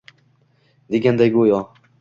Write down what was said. Deganday go’yo